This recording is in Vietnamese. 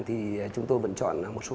thì chúng tôi vẫn chọn một số